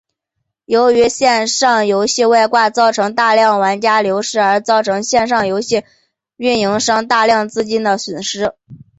由于线上游戏外挂造成大量玩家流失而造成线上游戏营运商大量资金损失。